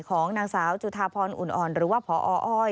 ของนางสาวจุธาพรอุ่นอ่อนหรือว่าพออ้อย